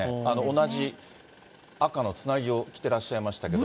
同じ赤のつなぎを着てらっしゃいましたけど。